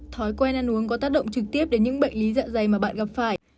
thói quen ăn uống có tác động trực tiếp đến những bệnh lý dạ dày mà bạn gặp phải